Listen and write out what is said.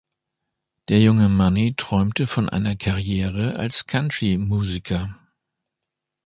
Der junge Money träumte von einer Karriere als Country-Musiker.